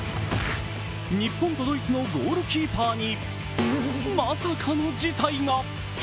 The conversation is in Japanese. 日本とドイツのゴールキーパーにまさかの事態が。